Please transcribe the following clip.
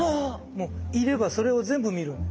もういればそれを全部見るんです。